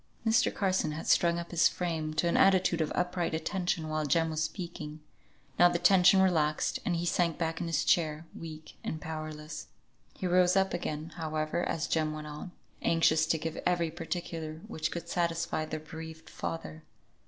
Mr. Carson had strung up his frame to an attitude of upright attention while Jem was speaking; now the tension relaxed, and he sank back in his chair, weak and powerless. He rose up again, however, as Jem went on, anxious to give every particular which could satisfy the bereaved father.